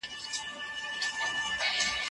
ده د پښتو ژبې او ادب په تکامل کې لوى سهم واخيست.